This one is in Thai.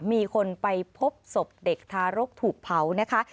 มีคนไปพบศพเด็กทารกถูกเผานะคะ